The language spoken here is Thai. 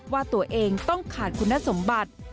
ว่าตัวเองต้องขาดคุณสมบัติ